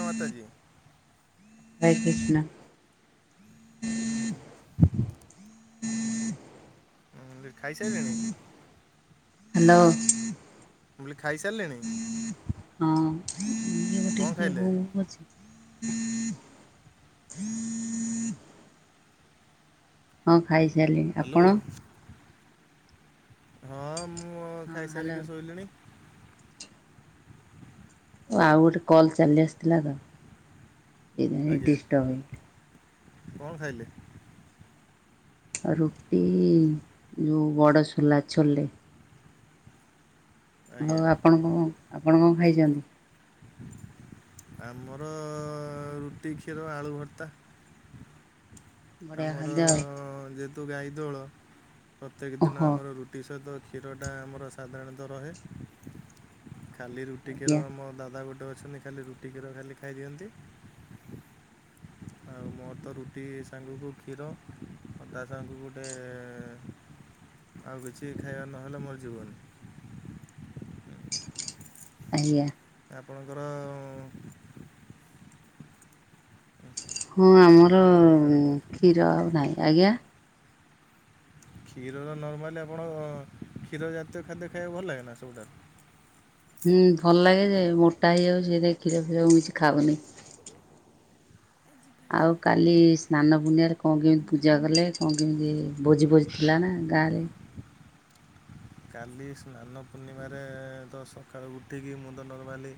ହଁ ମାତାଦି। ହରେ କୃଷ୍ଣ। ମୁଁ ହୁଁ ଖାଇସାରିଲେଣି? ହ୍ୟାଲୋ। ମୁଁ ବୋଲେ ଖାଇସାରିଲେଣି? ହଁ ଗୋଟେ କଣ କିଏ ଖାଇଲେ କଲ୍ କରିଚି। ହଁ ଖାଇସାରିଲି ହ୍ୟାଲୋ ଆପଣ? ହଁ ମୁଁ ହଁ ହ୍ୟାଲୋ ଖାଇସାରିକି ଶୋଇଲିଣି। ଓ ଆଉ ଗୋଟେ କଲ୍ ଚାଲି ଆସିଥିଲା ତ ସେଇ ଆଜ୍ଞା ଡିଷ୍ଟର୍ବ ହେଇଗଲା। କଣ ଖାଇଲେ? ଆଉ ରୁଟି ଯେଉଁ ବଡ଼ସୋଲା ଛୋଲେ ମୋ ଆଜ୍ଞା ବାପାଙ୍କୁ ମୁ ଆପଣ କଣ ଖାଇଛନ୍ତି? ଆମର ରୁଟି କ୍ଷୀର ଆଳୁ ଭର୍ତା। ବଢ଼ିଆ ଆମର ଖାଦ୍ୟ ଆଉ ଯେହେତୁ ଗାଈ ଦୋଳ ପ୍ରତ୍ୟେକ ଦିନ ଓହୋ ଆମର ରୁ ବିଷତ କ୍ଷୀରଟା ଆମର ସାଧାରଣତଃ ରହେ। ଖାଲି ରୁଟି ଆଜ୍ଞା କ୍ଷୀର ମୋ ଦାଦା ଗୋଟେ ଅଛନ୍ତି ଖାଲି ରୁଟି ଖାଲି ଖାଇଦିଅନ୍ତି। ଆଉ ମୋର ଆଜ୍ଞା। ତ ରୁଟି ସାଙ୍ଗକୁ କ୍ଷୀର। ହଦା ସାଙ୍କୁ ଗୋଟେ ଆଉ କିଛି ଖାଇବା ନହେଲେ ମୋର ଜୀବନି। ଆଜ୍ଞା। ଆପଣଙ୍କର ହଁ ଆମର କ'ଣ ଖବର ସିଆଡ଼େ କୁହନ୍ତୁ କ୍ଷୀର ଆଉ ଗାଈ ଆଜ୍ଞା। କ୍ଷୀର ନର୍ମାଲି ଆପଣ କ୍ଷୀର ଜାତୀୟ ଖାଦ୍ୟ ଖାଇବାକୁ ଭଲ ଲାଗେ ନା ସବୁଠାରୁ। ହୁଁ ଭଲ ଲାଗେ ଯେ ମୋଟା ହେଇଯାଉଛି ସେ କ୍ଷୀର ଫିର ମୁ କିଛି ଖାଉନି। ଆଉ କାଲି ସ୍ନାନ ପୂର୍ଣ୍ଣିମାରେ କଣ କେମିତି ପୂଜା କଲେ କଣ କେମିତି ଭୋଜି ଭୋଜି ଥିଲା ନା ଗାଁରେ କାଲି ସ୍ନାନ ପୂର୍ଣ୍ଣିମାରେ ତ ସକାଳୁ ଉଠିକି ମୁଁ ତ ନର୍ମାଲି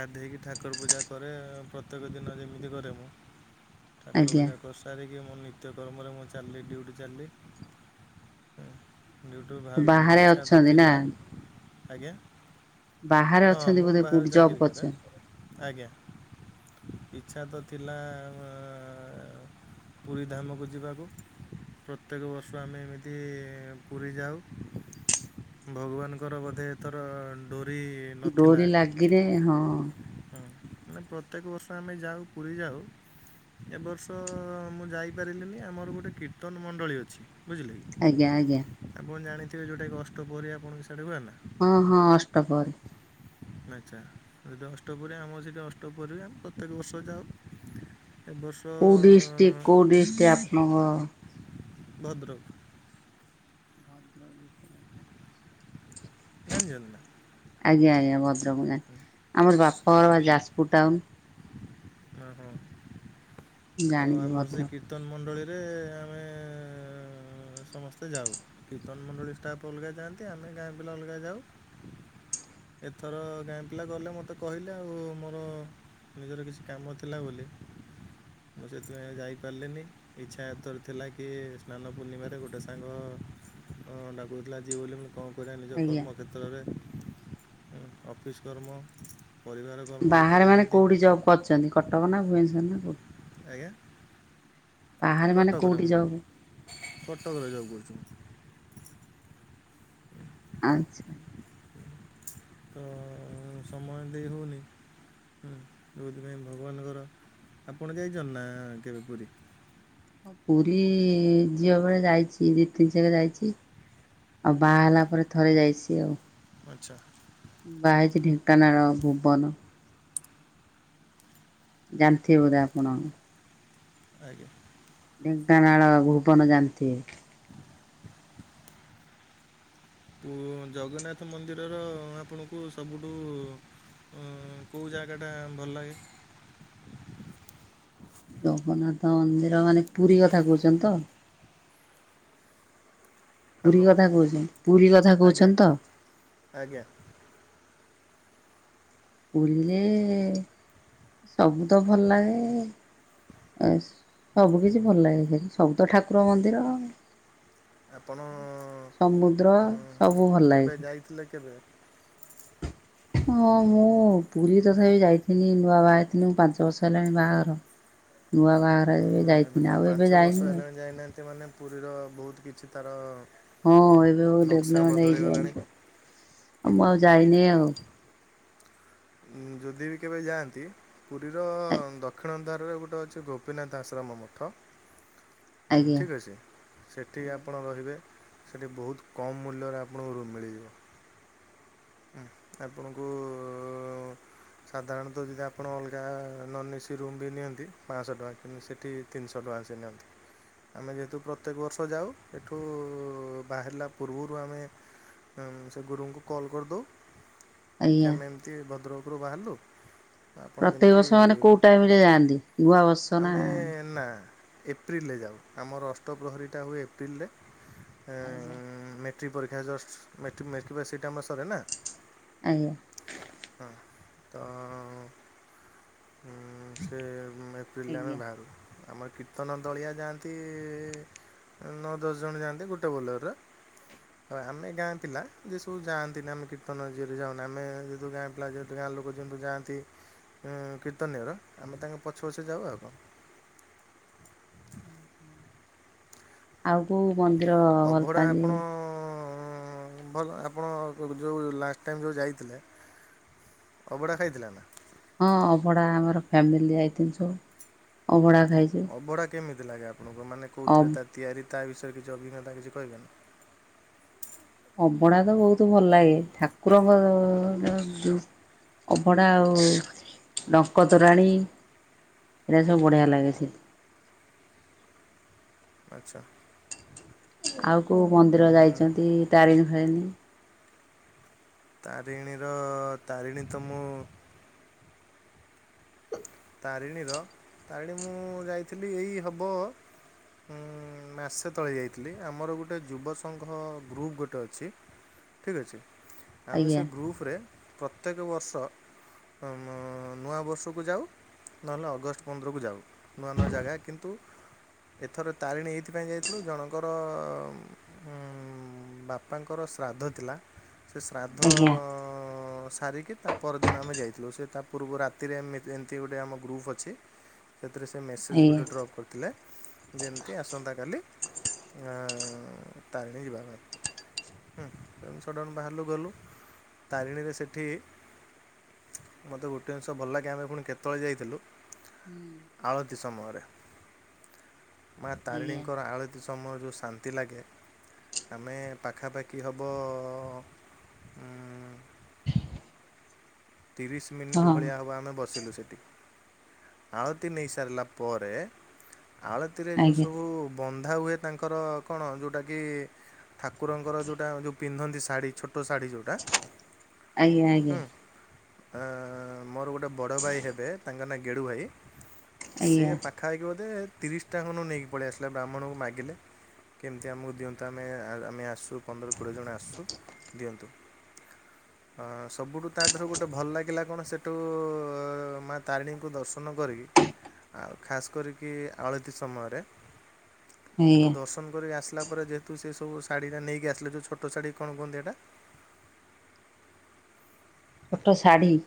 ଗାଧେଇକି ଠାକୁର ପୂଜା କରେ ପ୍ରତ୍ୟେକ ଦିନ ଯେମିତି କରେ ମୁଁ। ଠାକୁର ଆଜ୍ଞା ପୂଜା କର ସାରିକି ମୋ ନିତ୍ୟ କର୍ମରେ ମୁଁ ଚାଲିଲି ଡିଉଟି ଚାଲିଲି ଉଁ ଡି ଧାମ ବାହାରେ ଇଚ୍ଛା ତ ଅଛନ୍ତି ନା ଥିଲା ଆଜ୍ଞା। ବାହାରେ ହଁ ଅଛନ୍ତି ମୁଁ ବୋଧେ କୋଉଠି ବାହାରେ ଜବ୍ ଚାକିରୀ କରେ କରିଛନ୍ତି ଆଜ୍ଞା। ଇଚ୍ଛା ତ ଥିଲା ଆ ପୁରୀ ଧାମକୁ ଯିବାକୁ। ପ୍ରତ୍ୟେକ ବର୍ଷ ଆମେ ଏମିତି ପୁରୀ ଯାଉ। ଭଗବାନଙ୍କର ବୋଧେ ତୋର ଡୋରି ନଥିଲା ଡୋରି ହଁ ଲାଗିଲେ ହଁ ମାନେ ପ୍ରତ୍ୟେକ ବର୍ଷ ଆମେ ଯାଉ ପୁରୀ ଯାଉ। ଏବର୍ଷ ମୁଁ ଯାଇପାରିଲିନି ଆମର ଗୋଟେ କୀର୍ତ୍ତନ ମଣ୍ଡଳୀ ଅଛି ବୁଝିଲେ କି। ଆଜ୍ଞା ଆଜ୍ଞା। ଆପଣ ଜାଣିଥିବେ ଯୋଉଟା କି ଅଷ୍ଟ ପ୍ରହରୀ ଆପଣଙ୍କ ସିଆଡେ ହୁଏନା। ହଁ ହଁ ଅଷ୍ଟପହରି। ଆଚ୍ଛା ସେଠି ଅଷ୍ଟପ ଆମର ସେଠି ଅଷ୍ଟପହରି ଆମେ ପ୍ରତ୍ୟେକ ବର୍ଷ ଯାାଉ। ଏ ବର୍ଷ କଉ ଡିଷ୍ଟିକ କଉ ଡିଷ୍ଟିକ ଆପଣଙ୍କ ଭଦ୍ରକ। ଭଦ୍ରକ ଡିଷ୍ଟ୍ରିକ୍ଟ। ଜାଣିଛନ୍ତି ନା। ଆଜ୍ଞା ଆଜ୍ଞା ଭଦ୍ରକ ମୁଁ ଜଣେ ଆମର ବାପଘର ବା ଯାଜପୁର ଟାଉନ। ହଁ ହଁ। ମୁଁ ତ ଜାଣିଛି ଆମର ସେ ଭଦ୍ରକ କୀର୍ତ୍ତନ ମଣ୍ଡଳୀରେ ଆମେ ସମସ୍ତେ ଯାଉ କୀର୍ତନମଣ୍ଡଳୀ ଷ୍ଟାଫ୍ ଅଲଗା ଯାଆନ୍ତି। ଆମେ ଗାଁ ପିଲା ଅଲଗା ଯାଉ। ଏଥର ଗାଁ ପିଲା ଗଲେ। ମୋତେ କହିଲେ ଆଉ ମୋର ନିଜର କିଛି କାମ ଥିଲା ବୋଲି ମୁଁ ସେଥିପାଇଁ ଯାଇପାରିଲିନି ଇଚ୍ଛା ଏଥର ଥିଲା କି ସ୍ନାନ ପୂର୍ଣ୍ଣିମାରେ ଗୋଟେ ସାଙ୍ଗ ହଁ ଡାକୁଥିଲା ଯିବି ବୋଲି ମୁଁ କରିବା ନିଜ ଆଜ୍ଞା କର୍ମ କ୍ଷେତ୍ରରେ ଅଫିସ୍ କର୍ମ ପରିବାର କର୍ମ ଭିତରେ ବାହାରେ ମାନେ ଏମିତି କଉଠି ଜବ୍ କରଚନ୍ତି କଟକ ନା ଭୁବନେଶ୍ୱର ନା କଉଠି? ଆଜ୍ଞା? ବାହାରେ ମାନେ କଟକରେ କୋଉଠି ମୁଁ ଜବ୍ କଟକରେ ଜବ କରୁଚି ଆଚ୍ଛା। ତ ସମୟ ଦେଇ ହେଉନି ହୁଁ ଯଉଁଥିପାଇଁ ଭଗବାନଙ୍କର ଆପଣ ଯାଇଚନ୍ତି ନା କେବେ ପୁରୀ? ହଁ ପୁରୀ ଯିଅବେଳେ ଯାଇଚି ଦି ତିନି ଥର ଯାଇଚି। ଆଉ ବାହା ହେଲା ପରେ ଥରେ ଯାଇଚି ଆଉ। ଅଚ୍ଛା। ବାହା ହେଇଚି ଢେଙ୍କାନାଳ ଭୁବନ। ଜାଣିଥିବେ ବୋଧେ ଆପଣ? ଆଜ୍ଞା। ଢେଙ୍କାନାଳ ଭୁବନ ଜାଣିଥିବେ? ତୁଗୋ ଜଗନ୍ନାଥ ମନ୍ଦିରର ଆପଣଙ୍କୁ ସବୁଠୁ ଉଁ କୋଉ ଜାଗାଟା ଭଲ ଲାଗେ? ଜଗନ୍ନାଥ ମନ୍ଦିର ମାନେ ପୁରୀ କଥା କହୁଛନ୍ତି ତ? ପୁରୀ ହ୍ୟାଲୋ କଥା କହୁଚି ପୁରୀ କଥା ଆଜ୍ଞା କହୁଛନ୍ତି ତ? ଆଜ୍ଞା। ପୁଲିଲେ ସବୁ ତ ଭଲ ଲାଗେ ଏସ ସବୁ କିିଛି ଭଲ ଲାଗେ ସେଠି ସବୁତ ଠାକୁର ମନ୍ଦିର। ଆପଣ ସମୁଦ୍ର ସବୁ ଭଲ କେବେ ଯାଇଥିଲେ କେବେ ଲାଗେସେ ହଁ ମୁଁ ପୁରୀ ତଥାପି ଯାଇଥଥିଲି ନୂଆ ବାହା ହେଇଥିଲି ପାଞ୍ଚ ବର୍ଷ ହେଲାଣି ବାହାଘର ନୂଆ ବାହାଘର ହେଇ ଏବେ ଯାଇଥିନି ତ ଆଉ ପାଞ୍ଚ ଏବେ ବର୍ଷ ଯାଇନି ଆଉ। ହେଲାଣି ଯାଇନାହାନ୍ତି ମାନେ ପୁରୀର ବହୁତ କିଛି ତାର ହଁ ଏବେ ନକ୍ସା ଡେଭଲପମେଣ୍ଟ ବଦଳିଗଲାଣି ହେଇଯିବ ଆଉ ମୁଁ ଆଉ ଯାଇନି ଆଉ। ଯଦି ବି କେବେ ଯାଆନ୍ତି ପୁରୀର ଦକ୍ଷିଣଦ୍ୱାର ଗୋଟେ ଅଛି ଗୋପୀନାଥ ଆଶ୍ରମ ମଠ ହୁଁ ଆଜ୍ଞା। ଠିକ୍ ଅଛି ସେଠି ଆପଣ ରହିବେ ସେଠି ବହୁତ କମ୍ ମୂଲ୍ୟରେ ଆପଣଙ୍କୁ ରୁମ ମିଳିଯିବ। ଉଁ ଆପଣଙ୍କୁ ସାଧାରଣତଃ ଯଦି ଆପଣ ଅଲଗା ନନ୍ ଏସି ରୁମ୍ ବି ନିଅନ୍ତି ପାଞ୍ଚଶହ ଟଙ୍କା କିନ୍ତୁ ସେଠି ତିନିଶହ ଟଙ୍କା ଅଛି ନିଅନ୍ତି। ଆମେ ଯେହେତୁ ପ୍ରତ୍ୟେକ ବର୍ଷ ଯାଉ ଏଠୁ ବାହାରିଲା ପୂର୍ବରୁ ଆମେ ହ ସେ ଗୁରୁଙ୍କୁ କଲ୍ କରିଦଉ କି ଆଜ୍ଞା ଆମେ ଏମିତି ଭଦ୍ରକରୁ ବାହାରିଲୁ। ଆପଣ ପ୍ରତ୍ୟେକ ଯେମିତି ବର୍ଷ ମାନେ କୋଉ ପ ଟାଇମ ରେ ଯାଆନ୍ତି ନୂଆ ବର୍ଷ ନା ଆମେ ନା ଏପ୍ରିଲେ ଯାଉ ଆମର ଅଷ୍ଟପ୍ରହରୀଟା ହୁଏ ଏପ୍ରିଲରେ ଆ ଆଜ୍ଞା ମେ ଟ୍ରିକ ପରୀକ୍ଷା ଜଷ୍ଟ୍ ମେଟ ମେଟ୍ରିପ ଆମ ସରେ ନା। ଆଜ୍ଞା। ହଁ ତ ହୁଁ ସେ ଏପ୍ରିଲେ ଆମେ ଆଜ୍ଞା। ବାହାରୁ ଆମ କୀର୍ତ୍ତନ ଦଳିଆ ଯାଆନ୍ତି ନଅ ଦଶ ଜଣ ଯାଆନ୍ତି ଗୋଟେ ବୋଲର ଆ ଆମେ ଗାଁ ପିଲା ଯେ ସବୁ ଯାଆନ୍ ତିନ୍ କୀର୍ତନ [unintelligible] ଯେହତୁ ଗାଁ ପିଲା ଯେହତୁ ଗାଁ ଲୋକ ଯେହେତୁ ଯଆନ୍ତି ଉଁ କୀର୍ତ୍ତନିଆର ଆମେ ତାଙ୍କ ପଛେ ପଛେ ଯାଉ ଆଉ କ। ଉହୁଁ। ଆଉ କୋଉ ମନ୍ଦିର ଭଲ ଅଭଡ଼ା ପାଆନ୍ତି? ଆପଣ ଉଁ ଭଲ ଆପଣ ବ ଯଉ ଲାଷ୍ଟ ଟାଇମ୍ ଯଉ ଯାଇଥିଲେ ଅବଡ଼ା ଖାଇଥିଲେ ନା? ହଁ ଅଭଡା ଆମର ଫ୍ୟାମିଲି ଆଇଥନି ସବୁ ଅଭଡା ଖାଇଛି ଅବଢ଼ା କେମିତି ଲାଗେ ଆପଣକୁ ମାନେ କଉଁଥିରେ ତା ତିଆରି ତା ବିଷୟରେ କିଛି ଅଭିଜ୍ଞତା କିଛି କହିବେନି? ଅବଢା ତ ବହୁତ ଭଲ ଲାଗେ ଠାକୁରଙ୍କ ଅ ଜ ଅଭଡ଼ା ଆଉ ଡଙ୍କ ତୋରାଣୀ। ଏଟା ସବ ବଢିଆ ଲାଗେ ସେ ଆଚ୍ଛା। ଆଉ କଉ ମନ୍ଦିର ଉଁ ଯାଇଛନ୍ତି ତାରିଣୀ ଫାରିଣୀ? ତାରିଣୀର ତାରିଣୀ ତ ମୁଁ ତାରିଣୀର ତାରିଣୀ ମୁଁ ଯାଇଥିଲି ଏଇ ହବ। ଉଁ ମାସେ ତଳେ ଯାଇଥିଲି ଆମର ଗୋଟେ ଯୁବ ସଂଘ ଗ୍ରୁପ୍ ଗୋଟେ ଅଛି। ଠିକ୍ ଅଛି। ଆମେ ଆଜ୍ଞା। ସେ ଗ୍ରୁଫରେ ପ୍ରତ୍ୟେକ ବର୍ଷ ଅ ମ ନୂଆବର୍ଷକୁ ଯାଉ। ନହେଲେ ଅଗଷ୍ଟ ପନ୍ଦରକୁ ଯାଉ ନୂଆ ନୂଆ ଜାଗା କିନ୍ତୁ ଏଥର ତାରିଣୀ ଏଇଥିପାଇଁ ଯାଇଥିଲୁ ଜଣଙ୍କର ଉଁ ଉଁ ବାପାଙ୍କର ଶ୍ରାଦ୍ଧ ଥିଲା ସେ ଶ୍ରାଦ୍ଧ ଆଜ୍ଞା ଅ ସାରିକି ତା ପରଦିନ ଆମେ ଯାଇଥିଲୁ ସେ ତା ପୂର୍ବ ରାତିରେ ଏମିତି ଏନ୍ତି ଗୋଟେ ଆମ ଗ୍ରୁପ୍ ଅଛି। ସେଥିରେ ସେ ମେସେଜ୍ ଗୋଟେ ଆଜ୍ଞା। ଡ୍ରପ୍ କରିଥିଲେ। ଯେନ୍ତି ଆସନ୍ତା କାଲି ଆଁ ତାରିଣୀ ଯିବା ପାଇଁ। ହୁଁ [unintelligible] ସଡ଼ନ ବାହାରିଲୁ ଗଲୁ ତାରିଣୀରେ ସେଠି ମୋତେ ଗୋଟେ ଜିନିଷ ଭଲ ଲାଗେ ଆମେ ପୁଣି କେତେବେଳେ ଯାଇଥିଲୁ। ହୁଁ। ଆଳତିୀ ସମୟରେ ମା ଆଜ୍ଞା। ତାରିଣୀଙ୍କର ଆଳ ଳତି ସମୟ ଯଉଁ ଶାନ୍ତି ଲାଗେ। ଆମେ ପାଖାପାଖି ହବ ଉଁ ତିରିଶ ମିନିଟ୍ ହଁ ଭଳିଆ ହେବ ଆମେ ବସିଲୁ ସେଟି। ଆଳତି ନେଇ ସାରିଲା ପରେ ଆଳତିରେ ଯଉ ଆଜ୍ଞା। ସବୁ ବନ୍ଧା ହୁଏ ତାଙ୍କର କଣ ଯୋଉଟା କି ଠାକୁରଙ୍କର ଯୋଉଟା ଯୋଉ ପିନ୍ଧନ୍ତି ଶାଢ଼ୀ ଛୋଟ ଶାଢ଼ୀ ଯୋଉ ଆଜ୍ଞା ଆଜ୍ଞା। ଆ ମୋର ଗୋଟେ ବଡ଼ ଭାଇ ହେବେ ତାଙ୍କ ନାଁ ଗେଡ଼ୁ ଭାଇ। ସେ ଆଜ୍ଞା। ପାଖା ଆଖି ବୋଧେ ତିରିଶ ଟା ଖନୁ ନେଇକି ପଳେଇ ଆସିଲା ବ୍ରାହ୍ମଣକୁ ମାଗିଲେ। କେମିତି ଆମକୁ ଦିଅନ୍ତୁ ଆମେ ଆ ଆମେ ଆସୁ ପନ୍ଦର କୋଡ଼ିଏ ଜଣ ଆସୁ ଦିଅନ୍ତୁ। ଆ ସବୁଠୁ ତାଧେର ଗୋଟ ଭଲ ଲାଗିଲା କଣ ସେଠୁ ମା ତାରିଣୀଙ୍କୁ ଦର୍ଶନ କରିକି। ଆଉ ଖାସ୍ କରିକି ଆଳତି ସମୟରେ। ସେଠୁ ଆଜ୍ଞା। ଦର୍ଶନ କରିକି ଆସିଲା ପରେ ଯେହେତୁ ସେ ସବୁ ଶାଢୀ ଜା ନେଇକି ଆସିଲେ ଯେଉଁ ଛୋଟ ଶାଢ଼ୀ କଣ କୁହନ୍ତି ଏଇଟା? ଅଟ ଶାଢ଼ୀ।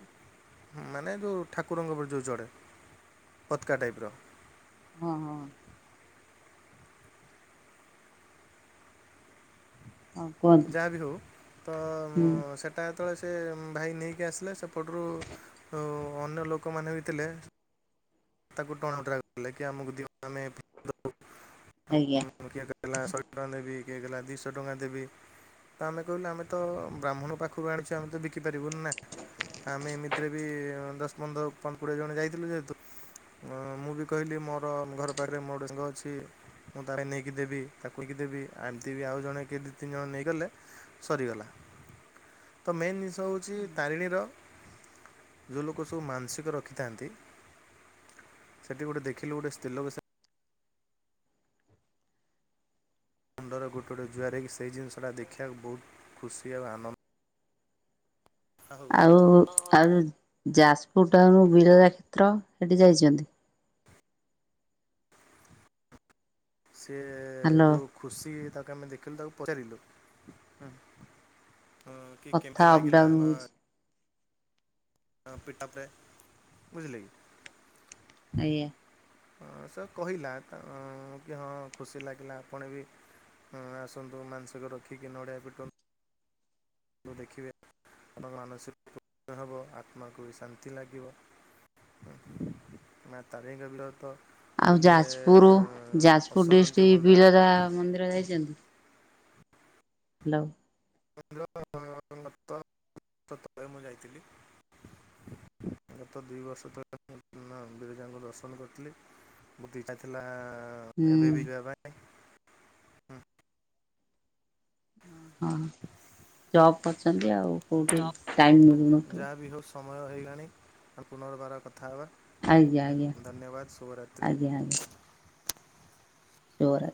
ମାନେ ଯେଉଁ ଠାକୁରଙ୍କ ଉପରେ ଯେଉଁ ଚଢ଼େ ପତକା ଟାଇପ୍ ର। ହଁ ହଁ। ହଁ କୁହନ୍ତୁ ଯାହା ବି ହେଉ ତ ମୁଁ ହୁଁ ସେ ତା ତଳେ ସେ ଉଁ ଭାଇ ନେଇକି ଆସିଲେ। ସେପଟରୁ ଅ ଅନ୍ୟ ଲୋକମାନେ ବି ଥିଲେ। ତାକୁ ଟଣ ଓଟ୍ରା କଲେ କି ଆମକୁ ଦିଅ ଆମେ। [unintelligible] ଟା ଆଜ୍ଞା। ଦେବି କିଏ କହିଲା ଦିଇଶ ଟଙ୍କା ଦେବି। ତ ଆମେ କହିଲୁ ଆମେ ତ ବ୍ରାହ୍ମଣ ପାଖରୁ ଆଣିଛୁ ଆମେ ତ ବି କିପାରିବୁନି ନା ଆମେ ଏମିତିରେ ବି ଦଶ ପନ୍ଦର ପନ୍ଦ କୋଡ଼ିଏ ଜଣ ଯାଇଥିଲୁ ଯେହେତୁ ଅ ମୁଁ ବି କହିଲି ମୋର ଘର ପାଡରେ ମୋର ଟେ ସାଙ୍ଗ ଅଛି। ମୁଁ ତାଡେ ନେଇକି ଦେବି ତାକୁ କଇକି ଦେବି ଆଉ ଏମିତି ବି ଆଉ ଜଣେ ଦି ତିନି ଜଣ ନେଇଗଲେ ସରିଗଲା ତ ମେନ୍ ଜିନିଷ ହେଉଛି ତାରିଣୀର ଯେଉଁ ଲୋକ ସବୁ ମାନସିକ ରଖିଥାନ୍ତି। ସେଠି ଗୋଟେ ଦେଖିଲୁ ଗୋଟେ ସ୍ତ୍ରୀ ଲୋକ ମୁଣ୍ଡର ଗୋଟ ଗୋଟ ଜୁଆର ହେଇକି ସେଇ ଜିନିଷଟା ଦେଖିବାକୁ ବହୁତ ଖୁସି ଆଉ ଆନନ୍ଦ। ହଉ ଆଉ ଆଉ ଯାଜପୁର ଟାଉନ ବିରଜା କ୍ଷେତ୍ର ସେଠି ଯାଇଛନ୍ତି। ସେ ହ୍ୟାଲୋ ଯେଉଁ ଖୁସି ତାକୁ ଆମେ ଦେଖିଲୁ ତାକୁ ପଚାରିଲୁ ହଁ କି କଥା କେମିତି ଲାଗିଲା ଅପଡାଉନ ଆମ ହଉଛି ପିଟପରେ ବୁଝିଲେ କି? ଆଜଇ [inaudible] ହଁ ସେ କହିଲା କି ହଁ ଖୁସି ଲାଗିଲା ଆପଣ ବି ହୁଁ ଆସନ୍ତୁ ମାଂସିକ ରଖିକି ନଡିଆ ପିଟନ୍ତୁ। ଦେଖିବେ ଆପଙ୍କ ମାନସିକ ହେବ ଆତ୍ମାକୁ ବି ଶାନ୍ତି ଲାଗିବ। ନା ତାରିମିଲ ତ ଆଉ ଥିଲେ ଯାଜପୁର ଯାଜପୁର ଅସରନ୍ତି ଡିଷ୍ଟ୍ରିକ୍ ଭଣ୍ଡା ବିରାଲା ମନ୍ଦିର ଯାଇଛନ୍ତି। ହ୍ୟାଲୋ। ମୁଁ ଯାଇଥିଲି। ଗତ ଦୁଇ ବର୍ଷ ତଳେ ମୁଁ ବିରଜାଙ୍କୁ ଦର୍ଶନ କରିଥିଲି। ମଥିଲା ଏବେ ହୁଁ ବି ଯିବା ପାଇଁ। ହୁଁ। ହଁ ଜବ୍ କରିଛନ୍ତି ଆଉ କୋଉଠି ଟାଇମ୍ ମିଳୁଥିବ। ଯାହା ବି ହଉ ସମୟ ହେଇଗଣି ପୁନର୍ବାର କଥା ହେବା ଆଜ୍ଞା ଆଜ୍ଞା ଧନ୍ୟବାଦ ଶୁଭରାତ୍ରି। [unintelligible] ଜୋର